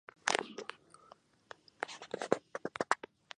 盐生棘豆为豆科棘豆属下的一个种。